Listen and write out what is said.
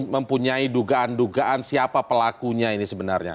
mempunyai dugaan dugaan siapa pelakunya ini sebenarnya